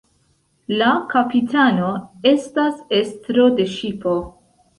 La "kapitano" estas estro de ŝipo.